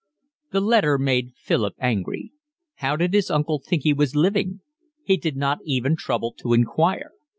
The letter made Philip angry. How did his uncle think he was living? He did not even trouble to inquire.